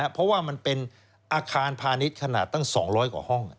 เพราะว่ามันเป็นอาคารพาณิชย์ขนาดตั้ง๒๐๐กว่าห้อง